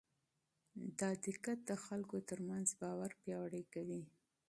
دا دقت د خلکو ترمنځ باور پیاوړی کوي.